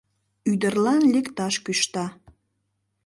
Ӱдырлан лекташ кӱшта.